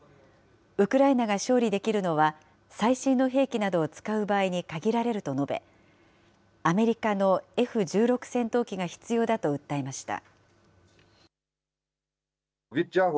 ウクライナが勝利できるのは、最新の兵器などを使う場合に限られると述べ、アメリカのＦ１６戦闘機が必要だと訴えました。